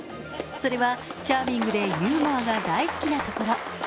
それはチャーミングでユーモアが大好きなところ。